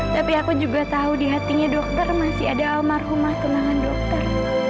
tapi aku juga tahu di hatinya dokter masih ada almarhumah tentang dokter